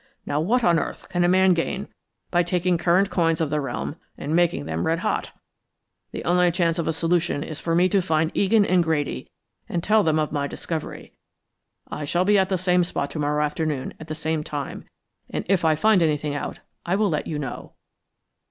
Now what on earth can a man gain by taking current coins of the realm and making them red hot? The only chance of a solution is for me to find Egan and Grady and tell them of my discovery. I shall be at the same spot to morrow afternoon at the same time, and if I find anything out I will let you know."